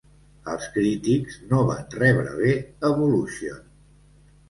Els crítics no van rebre bé "Evolution".